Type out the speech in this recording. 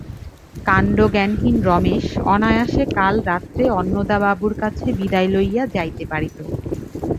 কাণ্ডজ্ঞানহীন রমেশ অনায়াসে কাল রাত্রে অন্নদাবাবুর কাছে বিদায় লইয়া যাইতে পারিত।